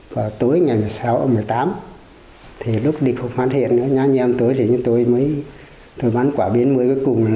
và tối ngày sáu một mươi tám thì lúc địch phục phán hiện nhà nhà em tôi thì tôi mới tôi bắn quả biến mới cuối cùng